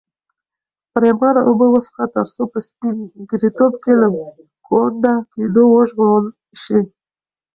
پرېمانه اوبه وڅښه ترڅو په سپین ږیرتوب کې له ګونډه کېدو وژغورل شې.